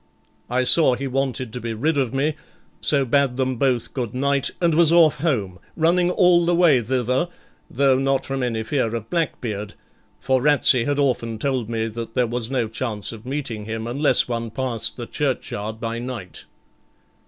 I saw he wanted to be rid of me, so bade them both good night, and was off home, running all the way thither, though not from any fear of Blackbeard, for Ratsey had often told me that there was no chance of meeting him unless one passed the churchyard by night.